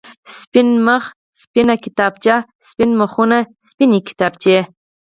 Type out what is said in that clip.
سپين مخ، سپينه کتابچه، سپين مخونه، سپينې کتابچې.